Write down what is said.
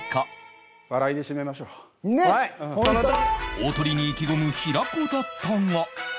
大トリに意気込む平子だったが